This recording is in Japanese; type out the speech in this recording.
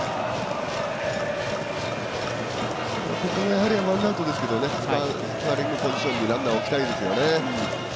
やはりワンアウトですけどスコアリングポジションにランナーを置きたいですよね。